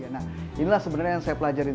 nah inilah sebenarnya yang saya pelajari